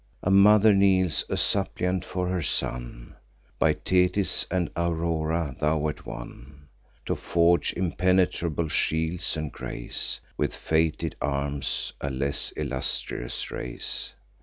A mother kneels a suppliant for her son. By Thetis and Aurora thou wert won To forge impenetrable shields, and grace With fated arms a less illustrious race.